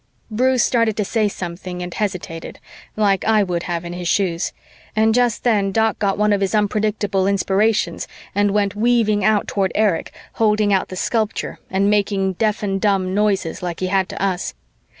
Bruce started to say something and hesitated, like I would have in his shoes, and just then Doc got one of his unpredictable inspirations and went weaving out toward Erich, holding out the sculpture and making deaf and dumb noises like he had to us.